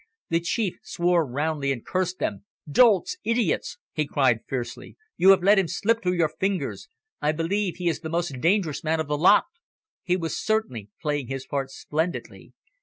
The Chief swore roundly, and cursed them. "Dolts, idiots!" he cried fiercely. "You have let him slip through your fingers. I believe he is the most dangerous man of the lot." He was certainly playing his part splendidly.